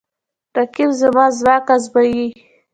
رقیب زما ځواک ازموي